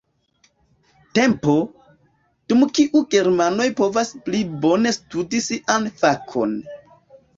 Tempo, dum kiu germanoj povas pli bone studi sian fakon.